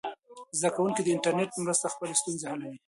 زده کوونکي د انټرنیټ په مرسته خپلې ستونزې حلوي.